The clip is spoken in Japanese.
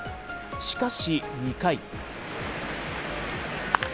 しかし、２回。